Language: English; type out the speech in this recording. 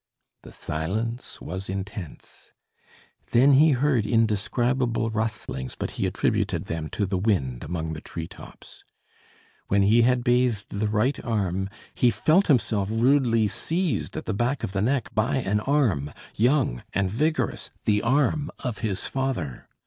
The silence was intense. Then he heard indescribable rustlings, but he attributed them to the wind among the tree tops. When he had bathed the right arm he felt himself rudely seized at the back of the neck by an arm, young and vigorous the arm of his father!